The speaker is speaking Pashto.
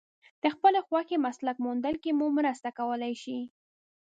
د خپلې خوښې مسلک موندلو کې مو مرسته کولای شي.